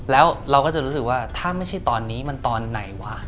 แล้วเราก็จะรู้สึกว่าถ้าไม่ใช่ตอนนี้มันตอนไหนวะ